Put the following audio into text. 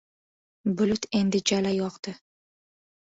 Bulut endi jala yog‘di.